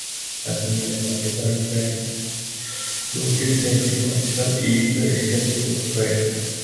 A similar but different frame used in safety bicycles is the step-through frame.